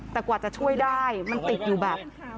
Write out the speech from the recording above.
แต่กว่าจะช่วยได้มันติดอยู่แบบ